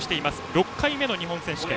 ６回目の日本選手権。